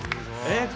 えっ！